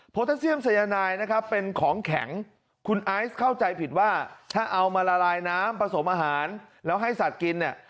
ตาเซียมสัยนายนะครับเป็นของแข็งคุณไอซ์เข้าใจผิดว่าถ้าเอามาละลายน้ำผสมอาหารแล้วให้สัตว์กินเนี่ย